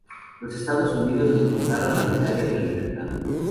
Los Estados Unidos le otorgaron la medalla de la Libertad.